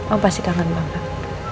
oh pasti kangen banget